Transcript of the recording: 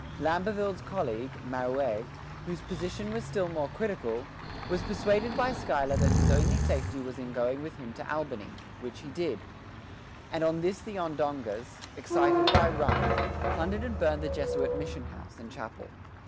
Lamberville's colleague, Mareuil, whose position was still more critical, was persuaded by Schuyler that his only safety was in going with him to Albany, which he did; and on this the Onondagas, excited by rum, plundered and burned the Jesuit mission house and chapel.